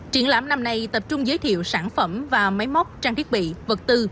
triển lãm năm nay tập trung giới thiệu sản phẩm và máy móc trang thiết bị vật tư